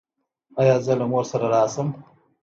ایا زه له مور سره راشم؟